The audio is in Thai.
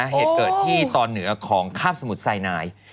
เหตุเกิดที่ตอนเหนือของคาบสมุทรไซนาย